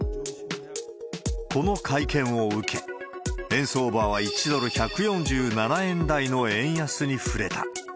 この会見を受け、円相場は１ドル１４７円台の円安に振れた。